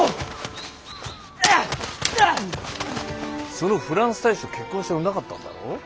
そのフランス大使と結婚したくなかったんだろう？